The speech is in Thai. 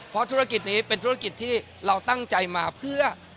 เพราะธุรกิจนี้เป็นธุรกิจที่เราตั้งใจมาเพื่อ